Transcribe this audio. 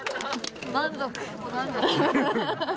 満足。